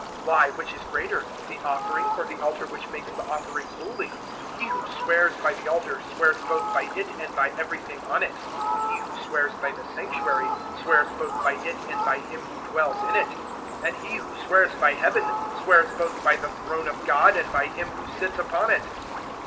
Why, which is greater? the offering, or the altar which makes the offering holy? 023:020 He who swears by the altar swears both by it and by everything on it; 023:021 he who swears by the Sanctuary swears both by it and by Him who dwells in it; 023:022 and he who swears by Heaven swears both by the throne of God and by Him who sits upon it.